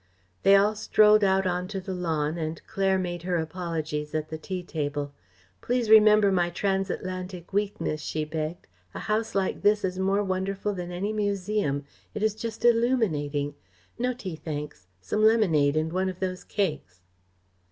They all strolled out on to the lawn, and Claire made her apologies at the tea table. "Please remember my transatlantic weaknesses," she begged. "A house like this is more wonderful than any museum. It is just illuminating. No tea, thanks. Some lemonade and one of those cakes."